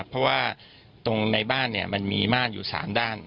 เพราะว่าตรงในบ้านมันมีม่านอยู่๓ด้าน